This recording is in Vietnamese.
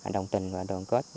đồng tình và đoàn kết